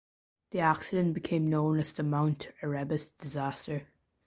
The accident became known as the Mount Erebus disaster.